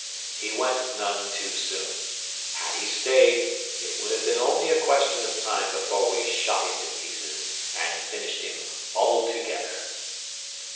He went none too soon. Had he stayed, it would have been only a question of time before we shot him to pieces and finished him altogether."